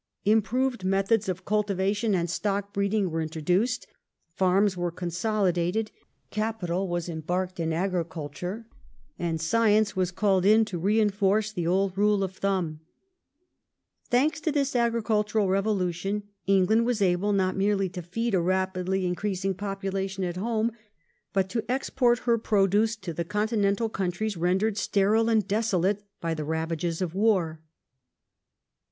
Improved methods of cultivation and 1 Porter, Progress of the Nation, p. 477 (ed. 1912). 4 INTRODUCTORY [1815 of stock breeding were introduced ; farms were consolidated ; capital was embarked in agriculture, and science was called in to reinforce the old rule of thumb. Thanks to this agricultural re volution, England was able not merely to feed a rapidly increasing population at home, but to export her produce to the continental countries rendered sterile and desolate by the ravages of war.